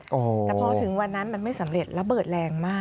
แต่พอถึงวันนั้นมันไม่สำเร็จระเบิดแรงมาก